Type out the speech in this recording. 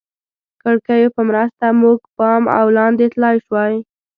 کړکیو په مرسته موږ بام او لاندې تلای شوای.